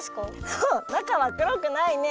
そうなかはくろくないね。